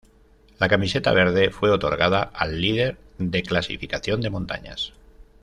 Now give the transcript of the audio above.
La camiseta verde fue otorgada al líder de clasificación de montañas.